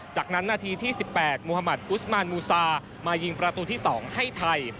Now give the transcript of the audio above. จากนั้นนาทีที่๑๘มุธมัติอุสมานมูซามายิงประตูที่๒ให้ไทย